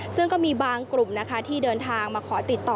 ซึ่งก็มีบางกลุ่มที่เริ่มติดต่อ